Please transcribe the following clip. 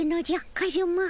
カズマ。